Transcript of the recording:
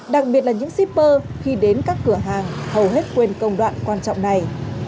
đặc biệt là những shipper khi đến các cửa hàng hầu hết quên công đoạn quan trọng này